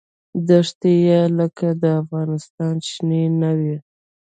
دښتې یې لکه افغانستان شنې نه وې.